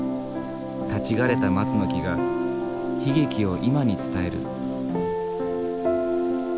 立ち枯れた松の木が悲劇を今に伝える。